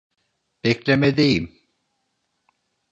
Beklemedeyim.